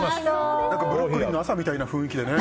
ブルックリンの朝みたいな雰囲気でね。